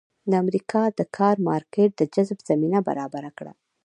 د امریکا د کار مارکېټ د جذب زمینه برابره کړه.